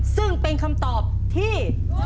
ซึ่งเป็นคำตอบที่